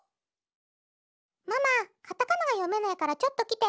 ママカタカナがよめないからちょっときて。